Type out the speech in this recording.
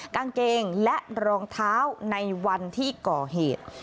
กางเกงและรองเท้าในวันที่ก่อเหตุ